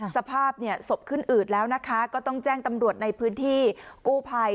สภาพศพขึ้นอืดแล้วนะคะก็ต้องแจ้งตำรวจในพื้นที่กู้ภัย